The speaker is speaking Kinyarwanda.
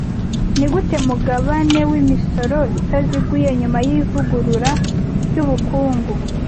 Nigute Mugabane wimisoro itaziguye nyuma yivugurura ryubukungu